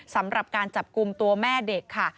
สำหรับการจับกลุ่มตัวแม่เด็กค่ะ